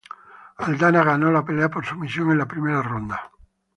Aldana ganó la pelea por sumisión en la primera ronda.